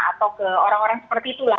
atau ke orang orang seperti itulah